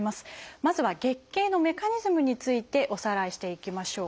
まずは月経のメカニズムについておさらいしていきましょう。